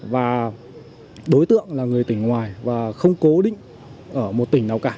và đối tượng là người tỉnh ngoài và không cố định ở một tỉnh nào cả